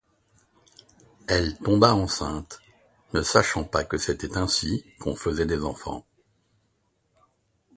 Elle tomba enceinte, ne sachant pas que c'était ainsi qu'on faisait des enfants.